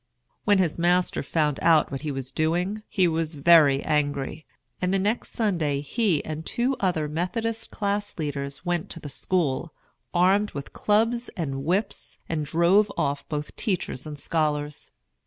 When his master found out what he was doing, he was very angry; and the next Sunday he and two other Methodist class leaders went to the school, armed with clubs and whips, and drove off both teachers and scholars.